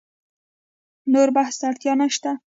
نور بحث ته اړتیا نشته.